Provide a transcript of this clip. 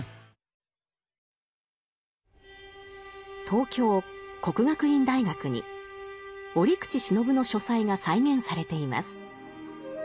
東京・國學院大學に折口信夫の書斎が再現されています。